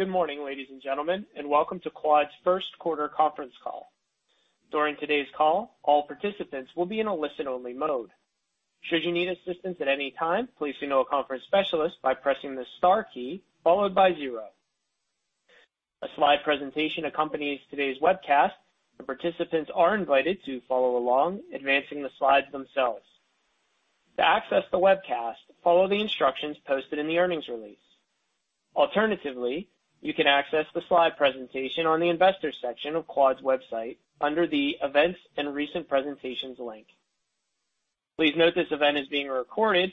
Good morning, ladies and gentlemen, and welcome to Quad's first quarter conference call. During today's call, all participants will be in a listen-only mode. Should you need assistance at any time, please signal a conference specialist by pressing the star key followed by zero. A slide presentation accompanies today's webcast, and participants are invited to follow along, advancing the slides themselves. To access the webcast, follow the instructions posted in the earnings release. Alternatively, you can access the slide presentation on the Investors section of Quad's website under the Events and Recent Presentations link. Please note this event is being recorded.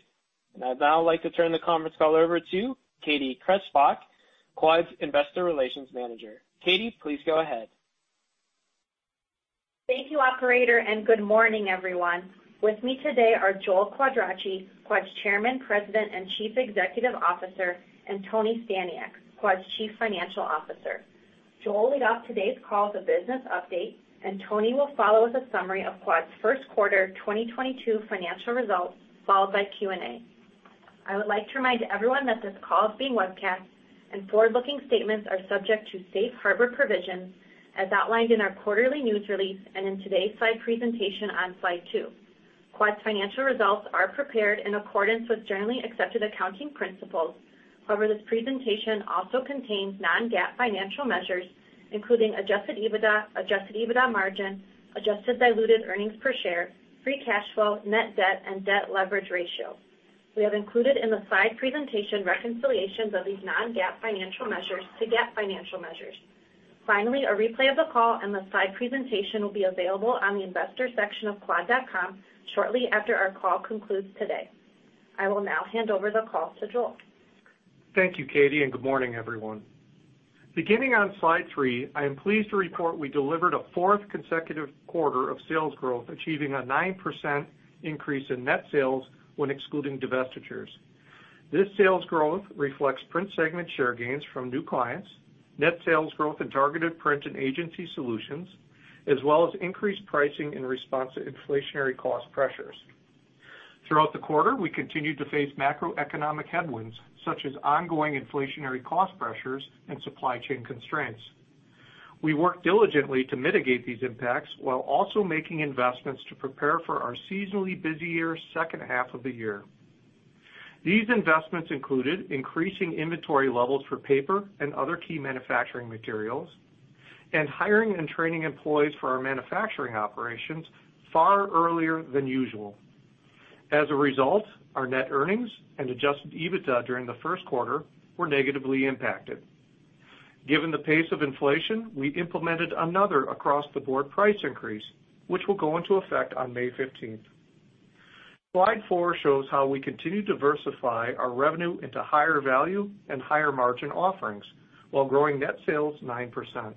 I'd now like to turn the conference call over to Katie Krebsbach, Quad's Investor Relations Manager. Katie, please go ahead. Thank you, operator, and good morning, everyone. With me today are Joel Quadracci, Quad's Chairman, President, and Chief Executive Officer, and Tony Staniak, Quad's Chief Financial Officer. Joel will lead off today's call with a business update, and Tony will follow with a summary of Quad's first quarter 2022 financial results, followed by Q&A. I would like to remind everyone that this call is being webcast and forward-looking statements are subject to safe harbor provisions as outlined in our quarterly news release and in today's slide presentation on slide two. Quad's financial results are prepared in accordance with generally accepted accounting principles. However, this presentation also contains non-GAAP financial measures, including Adjusted EBITDA, Adjusted EBITDA margin, adjusted diluted earnings per share, free cash flow, net debt, and debt leverage ratio. We have included in the slide presentation reconciliations of these non-GAAP financial measures to GAAP financial measures. Finally, a replay of the call and the slide presentation will be available on the Investors section of quad.com shortly after our call concludes today. I will now hand over the call to Joel. Thank you, Katie, and good morning, everyone. Beginning on slide three, I am pleased to report we delivered a fourth consecutive quarter of sales growth, achieving a 9% increase in net sales when excluding divestitures. This sales growth reflects print segment share gains from new clients, net sales growth in targeted print and agency solutions, as well as increased pricing in response to inflationary cost pressures. Throughout the quarter, we continued to face macroeconomic headwinds, such as ongoing inflationary cost pressures and supply chain constraints. We worked diligently to mitigate these impacts while also making investments to prepare for our seasonally busier second half of the year. These investments included increasing inventory levels for paper and other key manufacturing materials and hiring and training employees for our manufacturing operations far earlier than usual. As a result, our net earnings and Adjusted EBITDA during the first quarter were negatively impacted. Given the pace of inflation, we implemented another across-the-board price increase, which will go into effect on May 15th. Slide four shows how we continue to diversify our revenue into higher value and higher margin offerings while growing net sales 9%.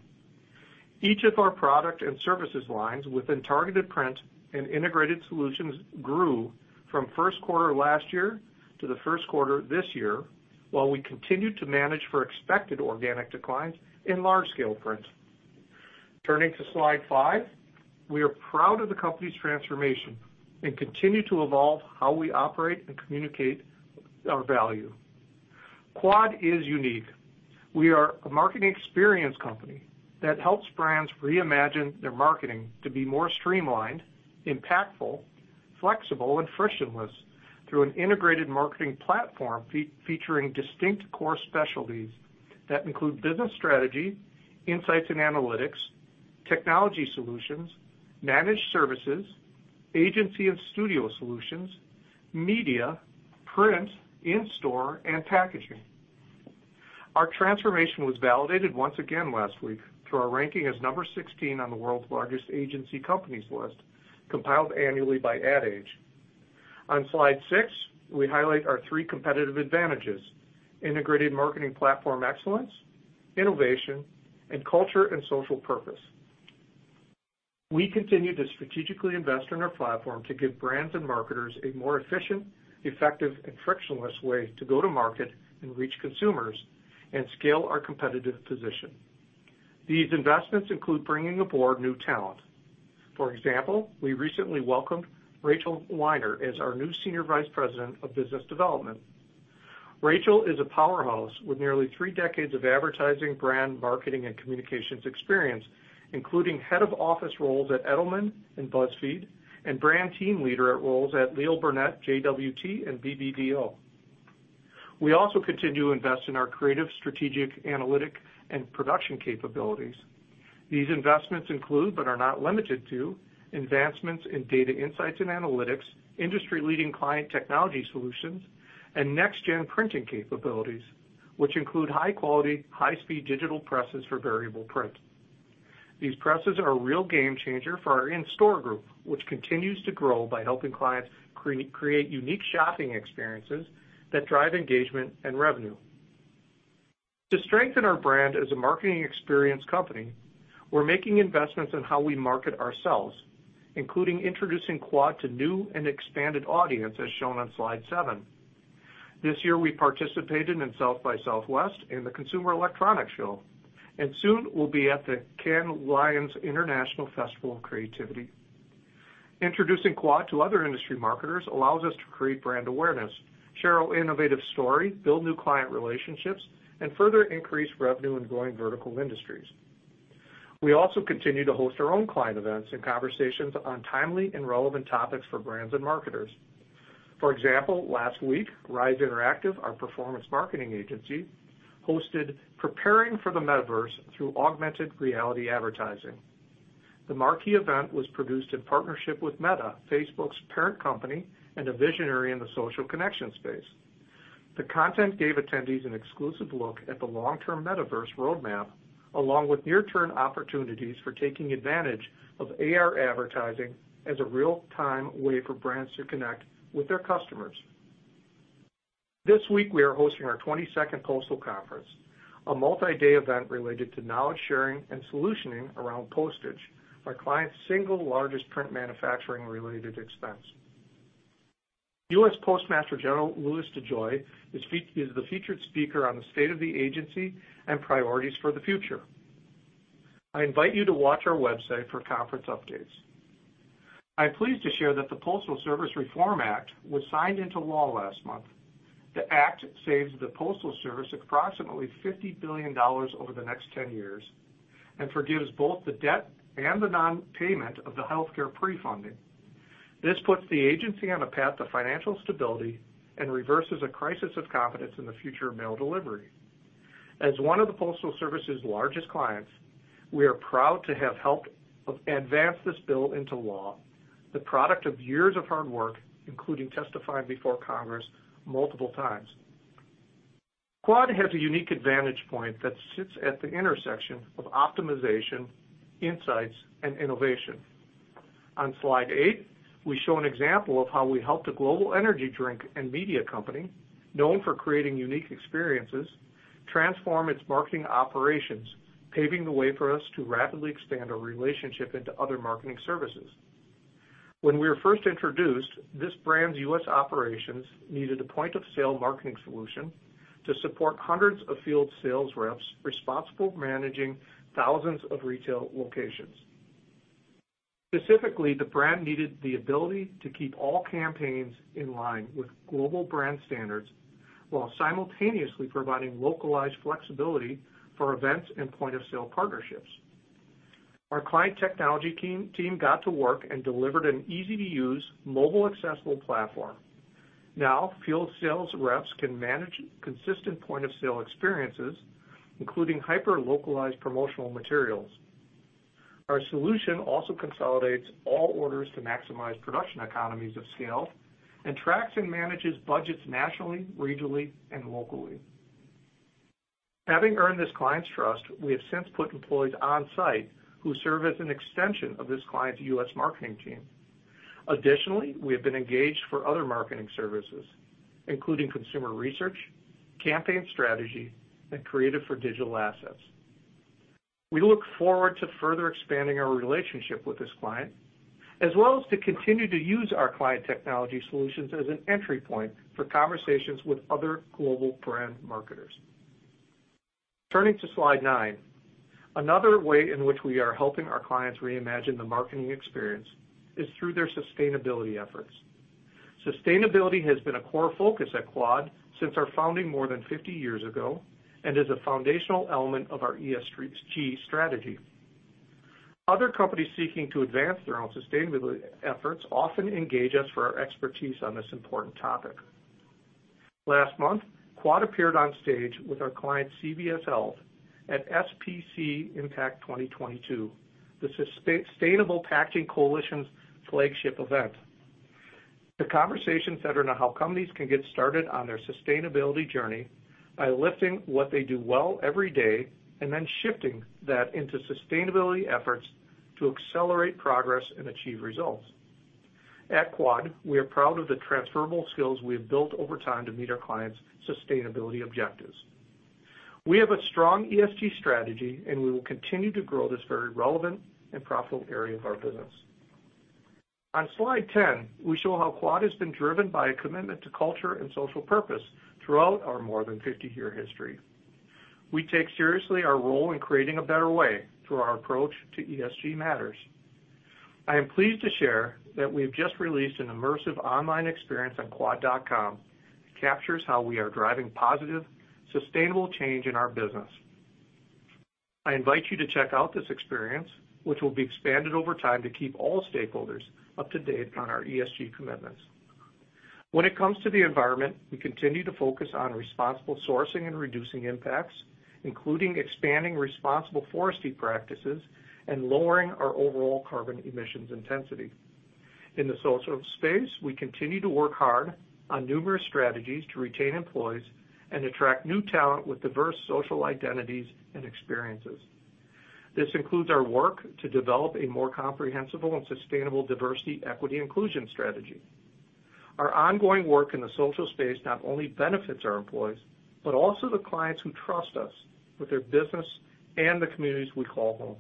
Each of our product and services lines within targeted print and integrated solutions grew from first quarter last year to the first quarter this year, while we continued to manage for expected organic declines in large-scale prints. Turning to slide five, we are proud of the company's transformation and continue to evolve how we operate and communicate our value. Quad is unique. We are a marketing experience company that helps brands reimagine their marketing to be more streamlined, impactful, flexible, and frictionless through an integrated marketing platform featuring distinct core specialties that include business strategy, insights and analytics, technology solutions, managed services, agency and studio solutions, media, print, in-store, and packaging. Our transformation was validated once again last week through our ranking as number 16 on the world's largest agency companies list compiled annually by Ad Age. On slide six, we highlight our three competitive advantages, integrated marketing platform excellence, innovation, and culture and social purpose. We continue to strategically invest in our platform to give brands and marketers a more efficient, effective, and frictionless way to go to market and reach consumers and scale our competitive position. These investments include bringing aboard new talent. For example, we recently welcomed Rachel Winer as our new Senior Vice President of Business Development. Rachel is a powerhouse with nearly three decades of advertising, brand marketing, and communications experience, including head of office roles at Edelman and BuzzFeed, and brand team leader roles at Leo Burnett, JWT, and BBDO. We also continue to invest in our creative, strategic, analytic, and production capabilities. These investments include, but are not limited to, advancements in data insights and analytics, industry-leading client technology solutions, and next gen printing capabilities, which include high-quality, high-speed digital presses for variable print. These presses are a real game changer for our in-store group, which continues to grow by helping clients create unique shopping experiences that drive engagement and revenue. To strengthen our brand as a marketing experience company, we're making investments in how we market ourselves, including introducing Quad to new and expanded audience, as shown on slide seven. This year, we participated in South by Southwest and the Consumer Electronics Show, and soon we'll be at the Cannes Lions International Festival of Creativity. Introducing Quad to other industry marketers allows us to create brand awareness, share our innovative story, build new client relationships, and further increase revenue in growing vertical industries. We also continue to host our own client events and conversations on timely and relevant topics for brands and marketers. For example, last week, Rise Interactive, our performance marketing agency, hosted Preparing for the Metaverse through Augmented Reality Advertising. The marquee event was produced in partnership with Meta, Facebook's parent company, and a visionary in the social connection space. The content gave attendees an exclusive look at the long-term metaverse roadmap, along with near-term opportunities for taking advantage of AR advertising as a real-time way for brands to connect with their customers. This week, we are hosting our 22nd postal conference, a multi-day event related to knowledge sharing and solutioning around postage, our clients' single largest print manufacturing related expense. United States Postmaster General Louis DeJoy is the featured speaker on the state of the agency and priorities for the future. I invite you to watch our website for conference updates. I'm pleased to share that the Postal Service Reform Act was signed into law last month. The act saves the Postal Service approximately $50 billion over the next 10 years and forgives both the debt and the non-payment of the healthcare pre-funding. This puts the agency on a path to financial stability and reverses a crisis of confidence in the future of mail delivery. As one of the Postal Service's largest clients, we are proud to have helped advance this bill into law, the product of years of hard work, including testifying before Congress multiple times. Quad has a unique vantage point that sits at the intersection of optimization, insights, and innovation. On slide eight, we show an example of how we helped a global energy drink and media company, known for creating unique experiences, transform its marketing operations, paving the way for us to rapidly expand our relationship into other marketing services. When we were first introduced, this brand's U.S. operations needed a point-of-sale marketing solution to support hundreds of field sales reps responsible for managing thousands of retail locations. Specifically, the brand needed the ability to keep all campaigns in line with global brand standards while simultaneously providing localized flexibility for events and point-of-sale partnerships. Our client technology team got to work and delivered an easy-to-use mobile-accessible platform. Now, field sales reps can manage consistent point-of-sale experiences, including hyper-localized promotional materials. Our solution also consolidates all orders to maximize production economies of scale and tracks and manages budgets nationally, regionally, and locally. Having earned this client's trust, we have since put employees on-site who serve as an extension of this client's U.S. marketing team. Additionally, we have been engaged for other marketing services, including consumer research, campaign strategy, and creative for digital assets. We look forward to further expanding our relationship with this client, as well as to continue to use our client technology solutions as an entry point for conversations with other global brand marketers. Turning to slide nine, another way in which we are helping our clients reimagine the marketing experience is through their sustainability efforts. Sustainability has been a core focus at Quad since our founding more than 50 years ago and is a foundational element of our ESG strategy. Other companies seeking to advance their own sustainability efforts often engage us for our expertise on this important topic. Last month, Quad appeared on stage with our client, CVS Health, at SPC Impact 2022, the Sustainable Packaging Coalition's flagship event. The conversation centered on how companies can get started on their sustainability journey by lifting what they do well every day and then shifting that into sustainability efforts to accelerate progress and achieve results. At Quad, we are proud of the transferable skills we have built over time to meet our clients' sustainability objectives. We have a strong ESG strategy, and we will continue to grow this very relevant and profitable area of our business. On slide 10, we show how Quad has been driven by a commitment to culture and social purpose throughout our more than 50-year history. We take seriously our role in creating a better way through our approach to ESG matters. I am pleased to share that we have just released an immersive online experience on quad.com that captures how we are driving positive, sustainable change in our business. I invite you to check out this experience, which will be expanded over time to keep all stakeholders up to date on our ESG commitments. When it comes to the environment, we continue to focus on responsible sourcing and reducing impacts, including expanding responsible forestry practices and lowering our overall carbon emissions intensity. In the social space, we continue to work hard on numerous strategies to retain employees and attract new talent with diverse social identities and experiences. This includes our work to develop a more comprehensible and sustainable diversity, equity, and inclusion strategy. Our ongoing work in the social space not only benefits our employees, but also the clients who trust us with their business and the communities we call home.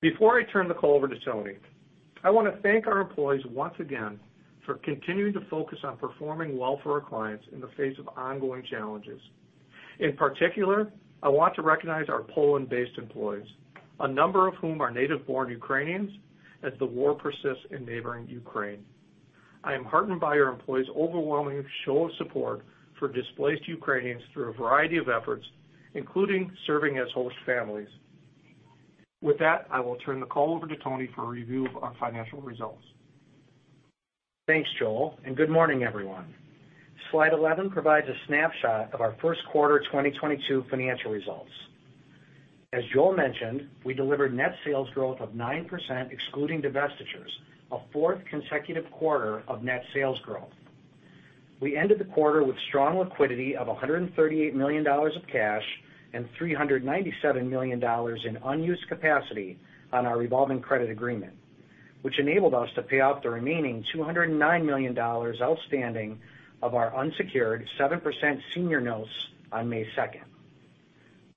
Before I turn the call over to Tony, I want to thank our employees once again for continuing to focus on performing well for our clients in the face of ongoing challenges. In particular, I want to recognize our Poland-based employees, a number of whom are native-born Ukrainians, as the war persists in neighboring Ukraine. I am heartened by our employees' overwhelming show of support for displaced Ukrainians through a variety of efforts, including serving as host families. With that, I will turn the call over to Tony for a review of our financial results. Thanks, Joel, and good morning, everyone. Slide 11 provides a snapshot of our first quarter 2022 financial results. As Joel mentioned, we delivered net sales growth of 9%, excluding divestitures, a fourth consecutive quarter of net sales growth. We ended the quarter with strong liquidity of $138 million of cash and $397 million in unused capacity on our revolving credit agreement, which enabled us to pay off the remaining $209 million outstanding of our unsecured 7% senior notes on May 2.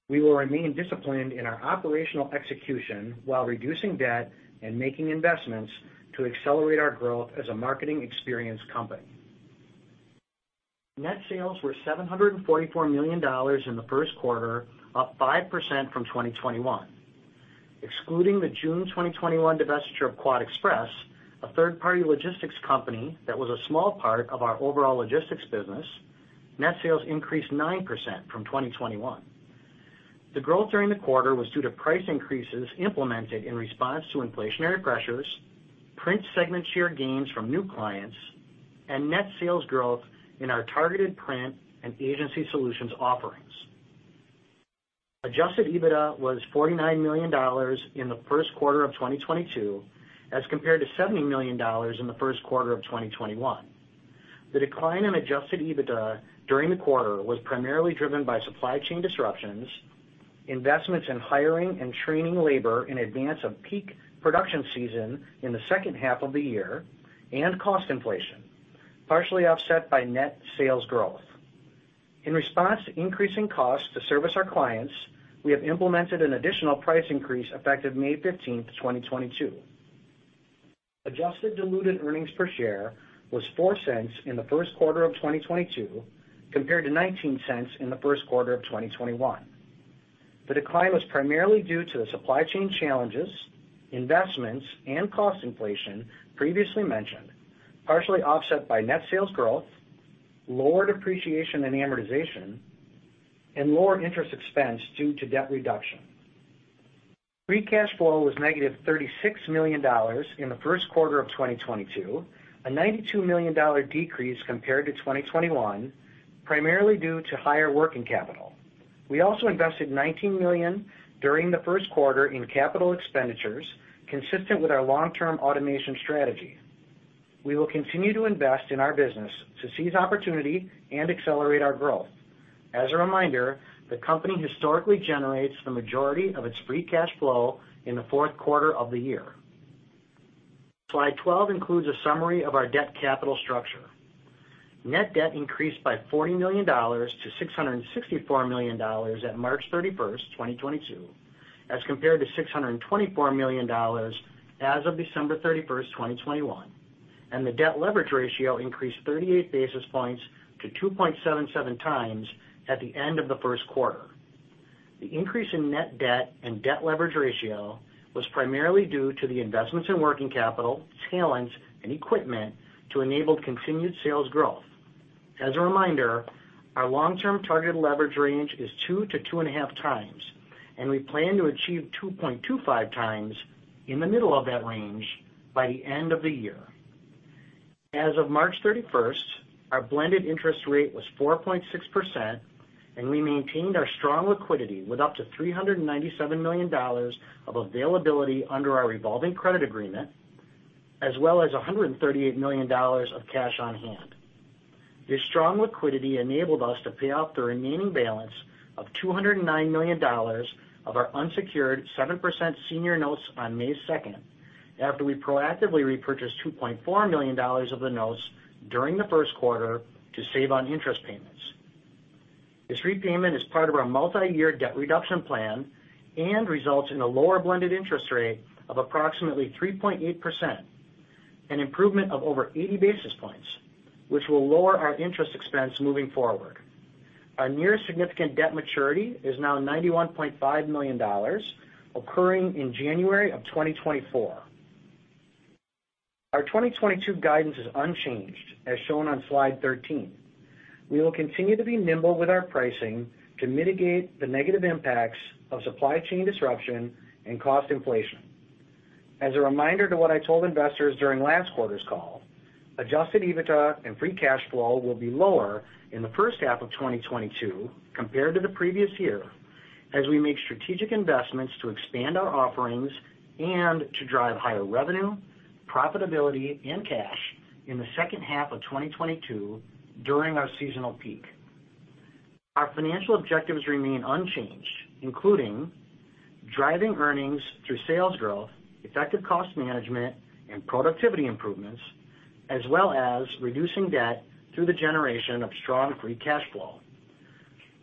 We will remain disciplined in our operational execution while reducing debt and making investments to accelerate our growth as a marketing experience company. Net sales were $744 million in the first quarter, up 5% from 2021. Excluding the June 2021 divestiture of QuadExpress, a third-party logistics company that was a small part of our overall logistics business, net sales increased 9% from 2021. The growth during the quarter was due to price increases implemented in response to inflationary pressures, print segment share gains from new clients, and net sales growth in our targeted print and agency solutions offerings. Adjusted EBITDA was $49 million in the first quarter of 2022, as compared to $70 million in the first quarter of 2021. The decline in Adjusted EBITDA during the quarter was primarily driven by supply chain disruptions, investments in hiring and training labor in advance of peak production season in the second half of the year and cost inflation, partially offset by net sales growth. In response to increasing costs to service our clients, we have implemented an additional price increase effective May 15, 2022. Adjusted diluted earnings per share was $0.04 in the first quarter of 2022, compared to $0.19 in the first quarter of 2021. The decline was primarily due to the supply chain challenges, investments and cost inflation previously mentioned, partially offset by net sales growth, lower depreciation and amortization, and lower interest expense due to debt reduction. Free cash flow was -$36 million in the first quarter of 2022, a $92 million decrease compared to 2021, primarily due to higher working capital. We also invested $19 million during the first quarter in capital expenditures, consistent with our long-term automation strategy. We will continue to invest in our business to seize opportunity and accelerate our growth. As a reminder, the company historically generates the majority of its free cash flow in the fourth quarter of the year. Slide 12 includes a summary of our debt capital structure. Net debt increased by $40 million-$664 million at March 31, 2022 as compared to $624 million as of December 31, 2021 and the debt leverage ratio increased 38 basis points to 2.77 times at the end of the first quarter. The increase in net debt and debt leverage ratio was primarily due to the investments in working capital, talent and equipment to enable continued sales growth. As a reminder, our long-term targeted leverage range is 2-2.5 times, and we plan to achieve 2.25 times in the middle of that range by the end of the year. As of March 31st, our blended interest rate was 4.6%, and we maintained our strong liquidity with up to $397 million of availability under our revolving credit agreement, as well as $138 million of cash on hand. This strong liquidity enabled us to pay off the remaining balance of $209 million of our unsecured 7% senior notes on May 2nd, after we proactively repurchased $2.4 million of the notes during the first quarter to save on interest payments. This repayment is part of our multiyear debt reduction plan and results in a lower blended interest rate of approximately 3.8%, an improvement of over 80 basis points, which will lower our interest expense moving forward. Our nearest significant debt maturity is now $91.5 million, occurring in January of 2024. Our 2022 guidance is unchanged, as shown on slide 13. We will continue to be nimble with our pricing to mitigate the negative impacts of supply chain disruption and cost inflation. As a reminder to what I told investors during last quarter's call, Adjusted EBITDA and free cash flow will be lower in the first half of 2022 compared to the previous year as we make strategic investments to expand our offerings and to drive higher revenue, profitability and cash in the second half of 2022 during our seasonal peak. Our financial objectives remain unchanged, including driving earnings through sales growth, effective cost management, and productivity improvements, as well as reducing debt through the generation of strong free cash flow.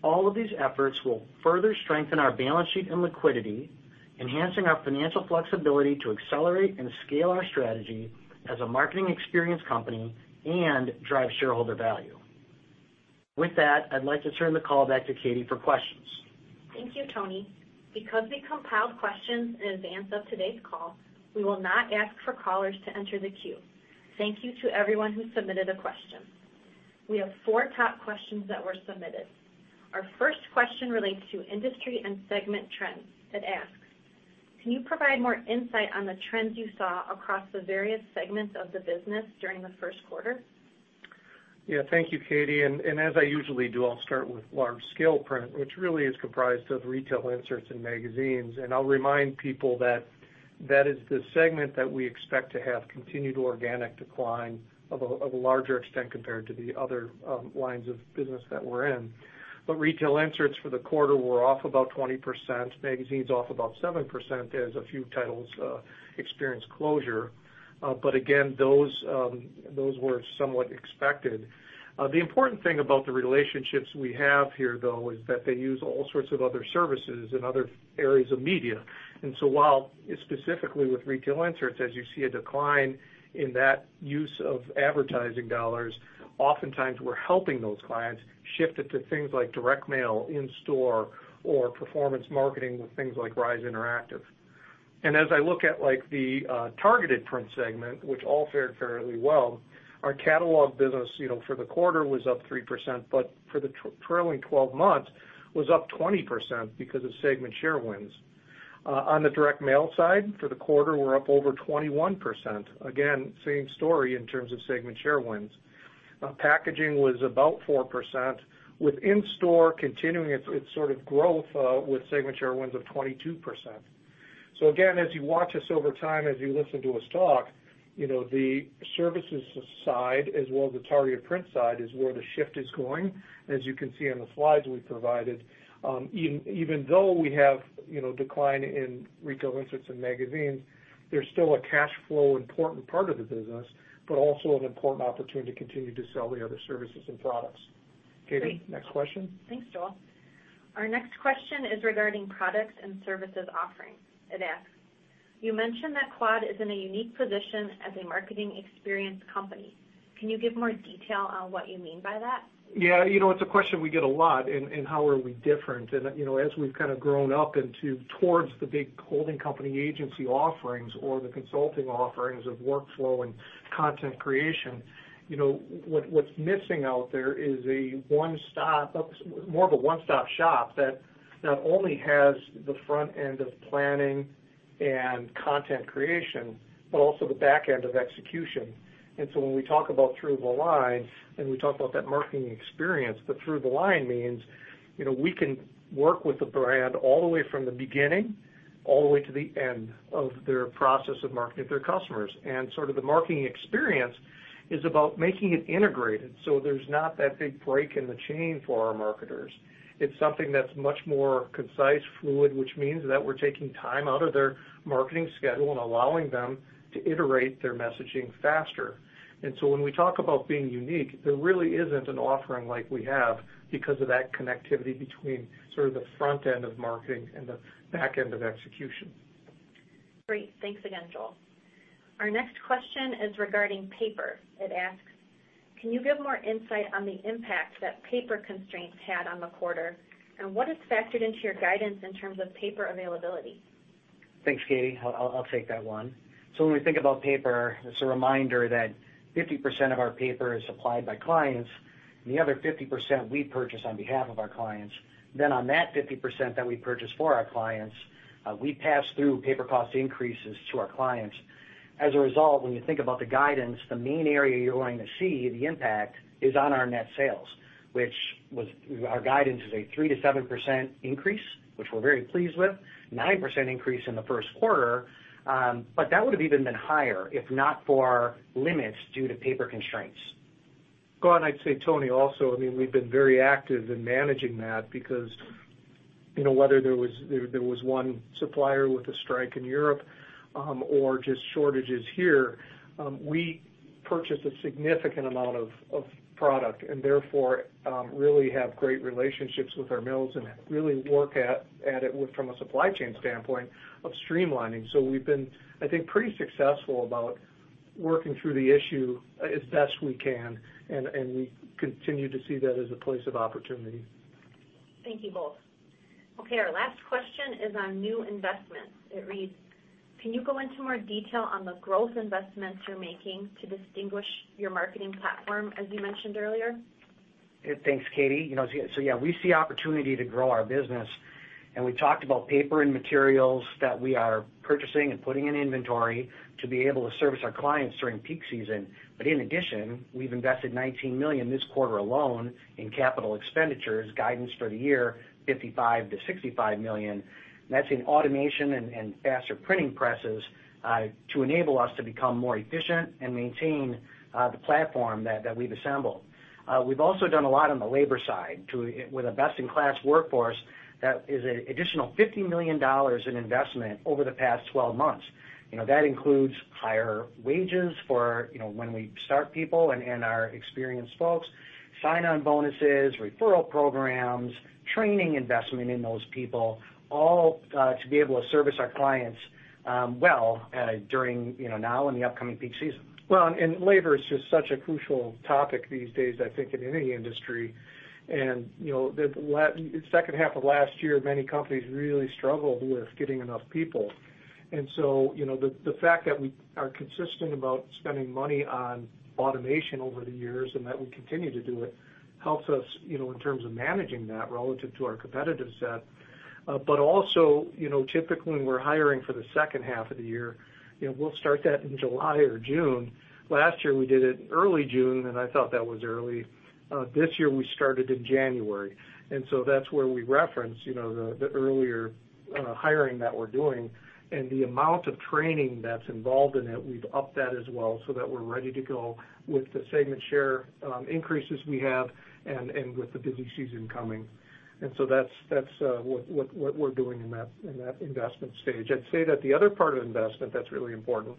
All of these efforts will further strengthen our balance sheet and liquidity, enhancing our financial flexibility to accelerate and scale our strategy as a marketing experience company and drive shareholder value. With that, I'd like to turn the call back to Katie for questions. Thank you, Tony. Because we compiled questions in advance of today's call, we will not ask for callers to enter the queue. Thank you to everyone who submitted a question. We have four top questions that were submitted. Our first question relates to industry and segment trends. It asks, can you provide more insight on the trends you saw across the various segments of the business during the first quarter? Yeah, thank you, Katie. As I usually do, I'll start with large-scale print, which really is comprised of retail inserts and magazines. I'll remind people that that is the segment that we expect to have continued organic decline of a larger extent compared to the other lines of business that we're in. Retail inserts for the quarter were off about 20%, magazines off about 7% as a few titles experienced closure. But again, those were somewhat expected. The important thing about the relationships we have here though, is that they use all sorts of other services and other areas of media. While specifically with retail inserts, as you see a decline in that use of advertising dollars, oftentimes we're helping those clients shift it to things like direct mail in-store or performance marketing with things like Rise Interactive. As I look at like the targeted print segment, which all fared fairly well, our catalog business, you know, for the quarter was up 3%, but for the trailing twelve months was up 20% because of segment share wins. On the direct mail side, for the quarter, we're up over 21%. Again, same story in terms of segment share wins. Packaging was about 4% with in-store continuing its sort of growth with segment share wins of 22%. Again, as you watch us over time, as you listen to us talk, you know, the services side as well as the targeted print side is where the shift is going. As you can see on the slides we provided, even though we have, you know, decline in retail inserts and magazines, they're still a cash flow important part of the business, but also an important opportunity to continue to sell the other services and products. Katie, next question. Thanks, Joel. Our next question is regarding products and services offerings. It asks, you mentioned that Quad is in a unique position as a marketing experience company. Can you give more detail on what you mean by that? Yeah. You know, it's a question we get a lot and how are we different? You know, as we've kind of grown up into towards the big holding company agency offerings or the consulting offerings of workflow and content creation, you know, what's missing out there is a one-stop, more of a one-stop shop that not only has the front end of planning and content creation, but also the back end of execution. When we talk about through the line and we talk about that marketing experience, the through the line means, you know, we can work with the brand all the way from the beginning all the way to the end of their process of marketing to their customers. Sort of the marketing experience is about making it integrated so there's not that big break in the chain for our marketers. It's something that's much more concise, fluid, which means that we're taking time out of their marketing schedule and allowing them to iterate their messaging faster. When we talk about being unique, there really isn't an offering like we have because of that connectivity between sort of the front end of marketing and the back end of execution. Great. Thanks again, Joel. Our next question is regarding paper. It asks, can you give more insight on the impact that paper constraints had on the quarter? What is factored into your guidance in terms of paper availability? Thanks, Katie. I'll take that one. When we think about paper, it's a reminder that 50% of our paper is supplied by clients, and the other 50% we purchase on behalf of our clients. On that 50% that we purchase for our clients, we pass through paper cost increases to our clients. As a result, when you think about the guidance, the main area you're going to see the impact is on our net sales, which was our guidance is a 3%-7% increase, which we're very pleased with. 9% increase in the first quarter, but that would have even been higher if not for limits due to paper constraints. Go on. I'd say, Tony, also, I mean, we've been very active in managing that because, you know, whether there was one supplier with a strike in Europe, or just shortages here, we purchase a significant amount of product and therefore really have great relationships with our mills and really work at it from a supply chain standpoint of streamlining. We've been, I think, pretty successful about working through the issue as best we can, and we continue to see that as a place of opportunity. Thank you both. Okay, our last question is on new investments. It reads, "Can you go into more detail on the growth investments you're making to distinguish your marketing platform as you mentioned earlier? Thanks, Katie. You know, so yeah, we see opportunity to grow our business, and we talked about paper and materials that we are purchasing and putting in inventory to be able to service our clients during peak season. In addition, we've invested $19 million this quarter alone in capital expenditures, guidance for the year, $55 million-$65 million. That's in automation and faster printing presses to enable us to become more efficient and maintain the platform that we've assembled. We've also done a lot on the labor side too, with a best-in-class workforce that is a additional $50 million in investment over the past 12 months. You know, that includes higher wages for, you know, when we start people and our experienced folks, sign-on bonuses, referral programs, training investment in those people, all to be able to service our clients, well, during, you know, now in the upcoming peak season. Well, labor is just such a crucial topic these days, I think in any industry. You know, second half of last year, many companies really struggled with getting enough people. The fact that we are consistent about spending money on automation over the years and that we continue to do it helps us, you know, in terms of managing that relative to our competitive set. Also, you know, typically, when we're hiring for the second half of the year, you know, we'll start that in July or June. Last year, we did it early June, and I thought that was early. This year we started in January, and so that's where we reference, you know, the earlier hiring that we're doing and the amount of training that's involved in it. We've upped that as well, so that we're ready to go with the segment share increases we have and with the busy season coming. That's what we're doing in that investment stage. I'd say that the other part of investment that's really important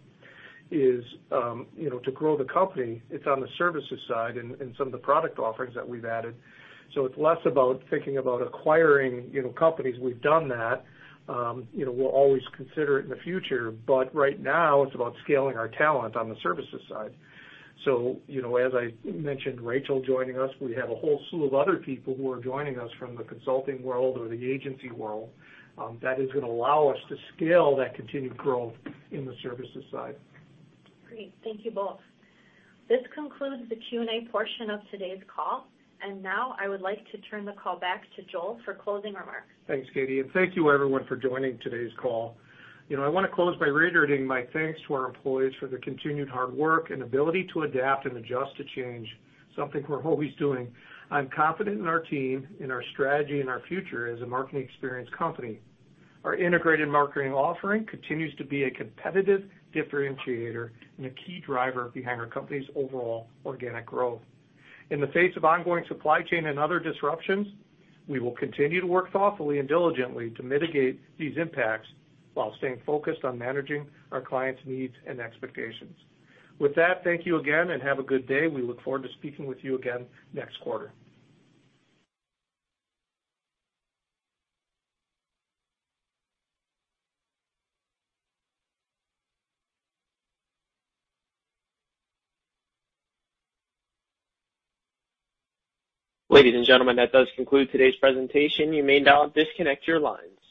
is, you know, to grow the company, it's on the services side and some of the product offerings that we've added. It's less about thinking about acquiring, you know, companies. We've done that. You know, we'll always consider it in the future, but right now it's about scaling our talent on the services side. You know, as I mentioned, Rachel joining us, we have a whole slew of other people who are joining us from the consulting world or the agency world, that is gonna allow us to scale that continued growth in the services side. Great. Thank you both. This concludes the Q&A portion of today's call. Now I would like to turn the call back to Joel for closing remarks. Thanks, Katie, and thank you everyone for joining today's call. You know, I wanna close by reiterating my thanks to our employees for their continued hard work and ability to adapt and adjust to change, something we're always doing. I'm confident in our team, in our strategy, and our future as a marketing experience company. Our integrated marketing offering continues to be a competitive differentiator and a key driver behind our company's overall organic growth. In the face of ongoing supply chain and other disruptions, we will continue to work thoughtfully and diligently to mitigate these impacts while staying focused on managing our clients' needs and expectations. With that, thank you again and have a good day. We look forward to speaking with you again next quarter. Ladies and gentlemen, that does conclude today's presentation. You may now disconnect your lines.